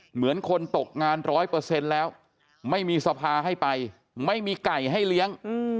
เหมือนคนตกงานร้อยเปอร์เซ็นต์แล้วไม่มีสภาให้ไปไม่มีไก่ให้เลี้ยง